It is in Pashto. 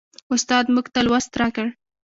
استاد موږ ته لوست راکړ.